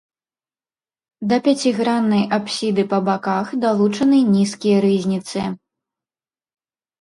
Да пяціграннай апсіды па баках далучаны нізкія рызніцы.